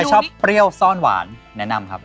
ชอบซ่อนหวานแนะนำครับ